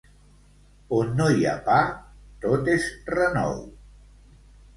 On no hi ha pa, tot és renou.